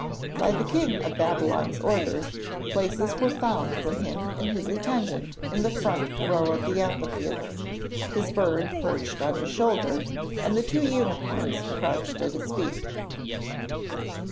By the King of Babylon's orders, places were found for him and his attendant in the front row of the amphitheatre: his bird perched on his shoulder, and the two unicorns crouched at his feet.